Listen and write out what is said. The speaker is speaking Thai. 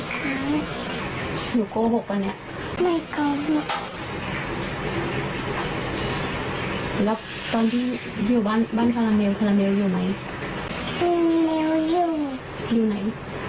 พี่ผู้ทำเรื่องพี่ผู้เรียกเหรอหรือว่าไง